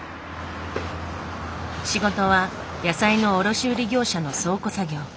仕事は野菜の卸売業者の倉庫作業。